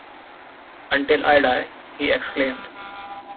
Until I die, he exclaimed.